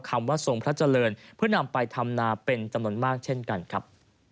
คำว่าทรงพระเจริญเพื่อนำไปทำนาเป็นจำนวนมากเช่นกันครับ